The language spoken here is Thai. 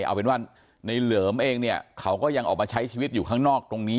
เอาเป็นว่าในเหลิมเองเนี่ยเขาก็ยังออกมาใช้ชีวิตอยู่ข้างนอกตรงนี้